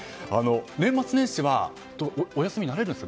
年末年始はお休みになれるんですか？